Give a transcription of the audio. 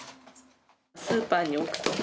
スーパーに置くとか。